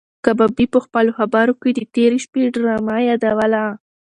کبابي په خپلو خبرو کې د تېرې شپې ډرامه یادوله.